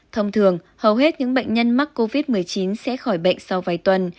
thông thường hầu hết những bệnh nhân mắc covid một mươi chín sẽ khỏi bệnh sau vài tuần